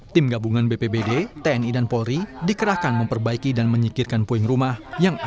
tim gabungan bpbd tni dan polri dikerahkan memperbaiki dan menyikirkan puing rumah yang akan